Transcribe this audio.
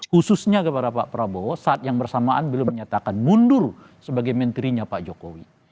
khususnya kepada pak prabowo saat yang bersamaan beliau menyatakan mundur sebagai menterinya pak jokowi